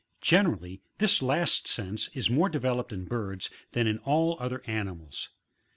2 1 . Generally this last sense is more developed in birds than in all other animals.